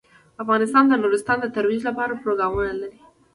افغانستان د نورستان د ترویج لپاره پروګرامونه لري.